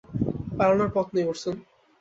পালানোর পথ নেই, ওরসন।